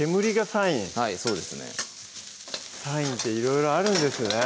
サインっていろいろあるんですね